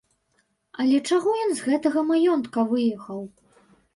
Але чаго ён з гэтага маёнтка выехаў?